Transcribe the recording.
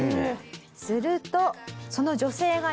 するとその女性がですね